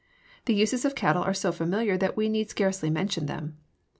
The uses of cattle are so familiar that we need scarcely mention them.